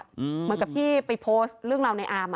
เหมือนกับที่ไปโพสต์เรื่องราวในอาม